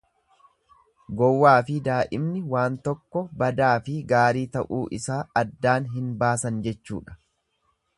Gowwaafi daa'imni waan tokko badaafi gaarii ta'uu isaa addaan hin baasan jechuudha.